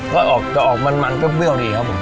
ก็ออกมันเปรี้ยวดีครับผม